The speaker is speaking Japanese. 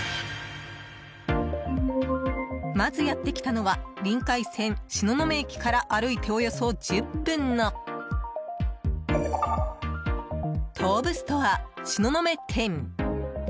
まずやってきたのはりんかい線東雲駅から歩いておよそ１０分の東武ストア東雲店。